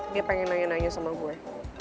dia pengen nanya nanya sama gue